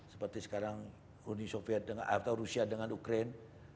seperti sekarang uni soviet atau rusia dengan ukraine